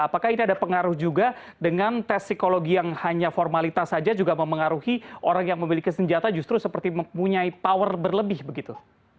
apakah ini ada pengaruh juga dengan tes psikologi yang hanya formalitas saja juga memengaruhi orang yang memiliki senjata justru seperti mempunyai power berlebih begitu